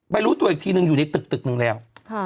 รู้ตัวอีกทีนึงอยู่ในตึกหนึ่งแล้ว